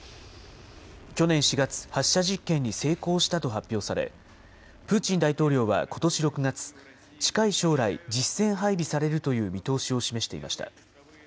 去年４月、発射実験に成功したと発表され、プーチン大統領はことし６月、近い将来、実戦配備されるという見通しを示していました。